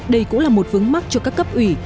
đây cũng là một vững mắc cho các cấp ủy